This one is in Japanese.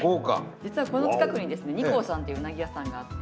実はこの近くにですね二幸さんっていううなぎ屋さんがあって。